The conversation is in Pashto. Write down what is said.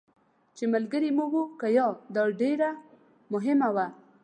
چې ملګري مو وو که یا، دا ډېره مهمه وه.